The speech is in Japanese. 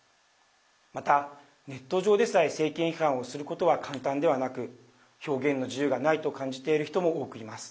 また、ネット上でさえ政権批判をすることは簡単ではなく表現の自由がないと感じている人も多くいます。